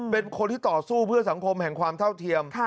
เป็นคนที่ต่อสู้เพื่อสังคมแห่งความเท่าเทียม